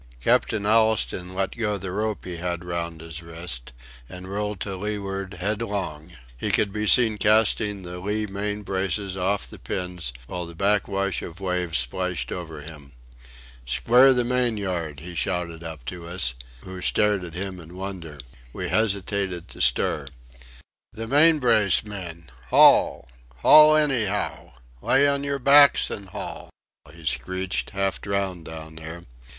Captain Allistoun let go the rope he had round his wrist and rolled to leeward headlong. He could be seen casting the lee main braces off the pins while the backwash of waves splashed over him. "Square the main yard!" he shouted up to us who stared at him in wonder. We hesitated to stir. "The main brace, men. Haul! haul anyhow! Lay on your backs and haul!" he screeched, half drowned down there.